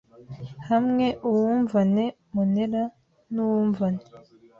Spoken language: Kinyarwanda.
hamwe uwumvane monera n’uwumvane